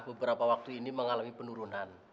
beberapa waktu ini mengalami penurunan